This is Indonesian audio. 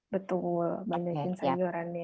betul banyakin sayurannya